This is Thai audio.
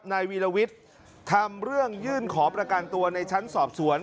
นายวีรวิทย์ทำเรื่องยื่นขอประกันตัวในชั้นสอบสวน